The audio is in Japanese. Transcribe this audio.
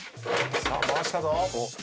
さあ回したぞ。